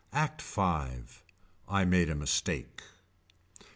Act Five. I made a mistake.